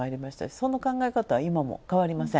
その考えは今も変わりません。